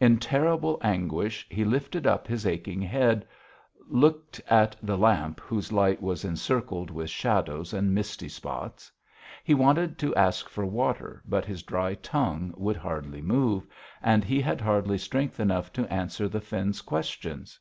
In terrible anguish he lifted up his aching head, looked at the lamp whose light was encircled with shadows and misty spots; he wanted to ask for water, but his dry tongue would hardly move, and he had hardly strength enough to answer the Finn's questions.